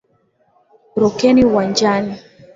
Rukeni uwanjani.